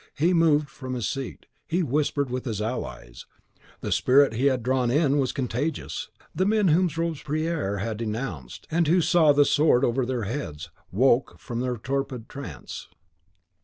He moved from his seat; he whispered with his allies: the spirit he had drawn in was contagious; the men whom Robespierre especially had denounced, and who saw the sword over their heads, woke from their torpid trance.